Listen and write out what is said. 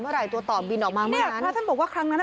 เป็นพระรูปนี้เหมือนเคี้ยวเหมือนกำลังทำปากขมิบท่องกระถาอะไรสักอย่าง